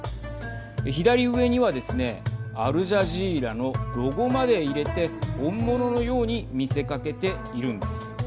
左上にはですねアルジャジーラのロゴまで入れて本物のように見せかけているんです。